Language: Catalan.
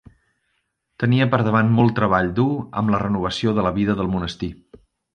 Tenia per davant molt treball dur amb la renovació de la vida del monestir.